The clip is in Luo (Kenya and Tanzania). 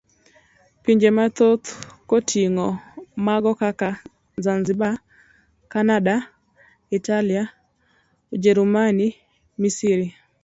Pinje mathoth koting'o mago kaka Zanzibar, Cananda, Italia, Ujerumani, Misri.